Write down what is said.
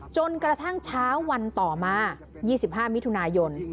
จนกระทั่งเช้าวันต่อมา๒๕มิถุนายน